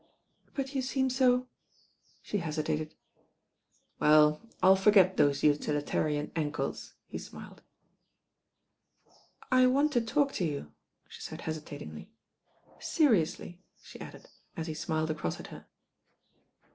"But you seem so—" she hesitated. "Well, I'll forget those utilitarian ankles," he smiled. "I want to talk to you," she said hesitatingly. "Seriously," she added, as he smiled across at her.